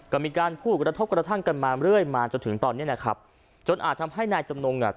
ก็มีการพูดกระทบกระทั่งกันมาเรื่อยมาจนถึงตอนนี้นะครับจนอาจทำให้นายจำนงอ่ะ